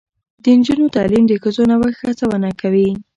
د نجونو تعلیم د ښځو نوښت هڅونه کوي.